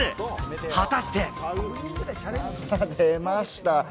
果たして？出ました。